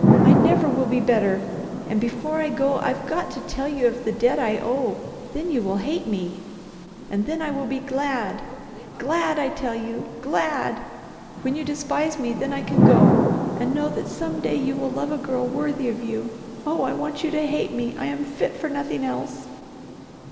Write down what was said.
I never will be better. And before I go I've got to tell you of the debt I owe; then you will hate me, and then I will be glad! Glad, I tell you! Glad! When you despise me? then I can go, and know that some day you will love a girl worthy of you. Oh I want you to hate me I am fit for nothing else."